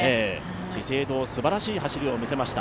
資生堂、すばらしい走りを見せました。